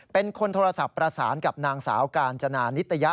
เป็นคนโทรศัพท์ประสานกับนางสาวกาญจนานิตยะ